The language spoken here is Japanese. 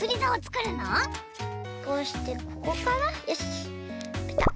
こうしてここからよしぴたっ！